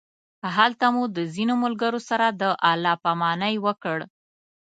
هلته مو د ځینو ملګرو سره د الله پامانۍ وکړ.